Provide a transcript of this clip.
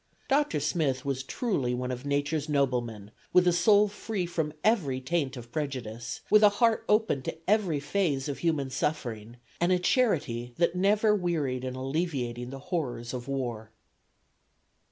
Dr. Smith was truly "one of Nature's noblemen," with a soul free from every taint of prejudice, with a heart open to every phase of human suffering and a charity that never wearied in alleviating the horrors of war.